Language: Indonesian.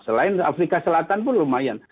selain afrika selatan pun lumayan